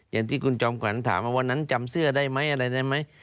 อย่างที่คุณจอมขวัญถามว่าวันนั้นจำเสื้อได้ไหมอะไรได้ไหม